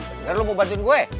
bener lo mau bantuin gue